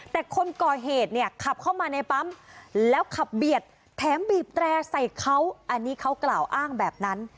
แต่คนก่อเหตุเนี่ยขับเข้ามาในปั๊มแล้วขับเบียดแถมบีบแตร่ใส่เขาอันนี้เขากล่าวอ้างแบบนั้น